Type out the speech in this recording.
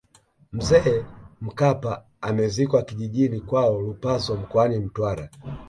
mzee mkapa amezikwa kijijini kwao lupaso mkoani mtwara